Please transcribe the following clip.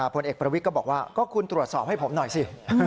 ผลเอกประวิทย์ก็บอกว่าก็คุณตรวจสอบให้ผมหน่อยสิ